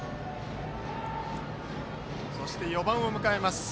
そして４番を迎えます。